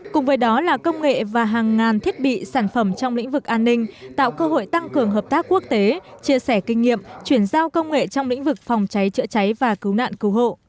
cùng với đó là công nghệ và hàng ngàn thiết bị sản phẩm trong lĩnh vực an ninh tạo cơ hội tăng cường hợp tác quốc tế chia sẻ kinh nghiệm chuyển giao công nghệ trong lĩnh vực phòng cháy chữa cháy và cứu nạn cứu hộ